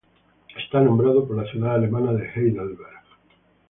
Está nombrado por la ciudad alemana de Heidelberg.